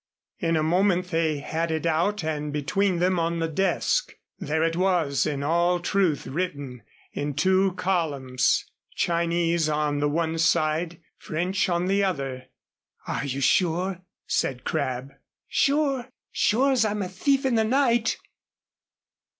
In a moment they had it out and between them on the desk. There it was, in all truth, written in two columns, Chinese on the one side, French on the other. "Are you sure?" said Crabb. "Sure! Sure as I'm a thief in the night!"